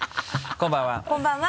こんばんは。